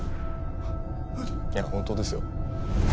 いや本当ですよ。